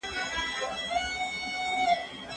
زه ليک لوستی دی!؟